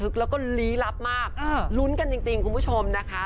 เราเรียนรู้มากรุ้นกันกันจริงคุณผู้ชมนะคะ